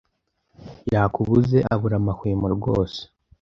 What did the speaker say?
yakubuze abura amahwemo rwose